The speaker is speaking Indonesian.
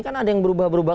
kan ada yang berubah berubah